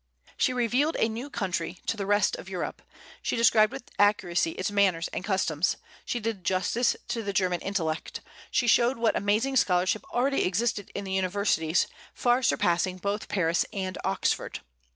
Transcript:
She revealed a new country to the rest of Europe; she described with accuracy its manners and customs; she did justice to the German intellect; she showed what amazing scholarship already existed in the universities, far surpassing both Paris and Oxford.